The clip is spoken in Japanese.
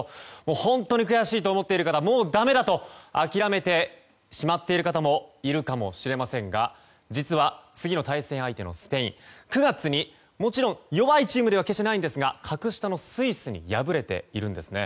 本当に悔しいと思っている方もう駄目だと諦めてしまっている方もいるかもしれませんが実は、次の対戦相手のスペイン９月にもちろん弱いチームでは決してないんですが格下のスイスに敗れているんですね。